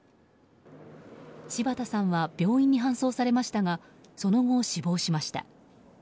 柴田さんは病院に搬送されましたがその後、死亡しました。